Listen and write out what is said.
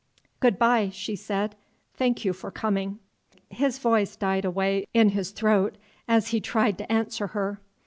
"Good bye," she said; "thank you for coming." His voice died away in his throat, as he tried to answer her.